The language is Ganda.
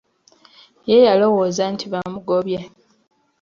Ye yalowooza nti bamugobye.